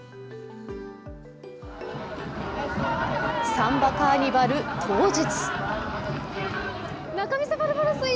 サンバカーニバル当日。